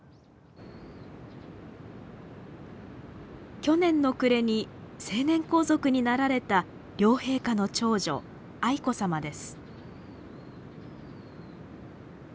去年の暮れに成年皇族になられた両陛下の長女愛子さまです。